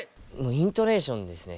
イントネーションですね。